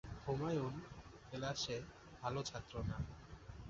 হুমায়ূন ক্লাসে ভালো ছাত্র না।